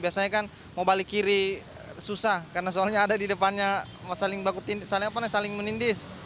biasanya kan mau balik kiri susah karena soalnya ada di depannya mau saling menindis